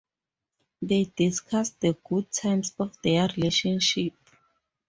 They discuss the good times of their relationship.